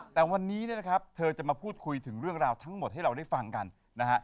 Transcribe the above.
แต่วันนี้เนี่ยนะครับเธอจะมาพูดคุยถึงเรื่องราวทั้งหมดให้เราได้ฟังกันนะฮะ